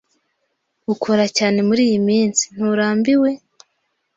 Ukora cyane muriyi minsi. Nturambiwe?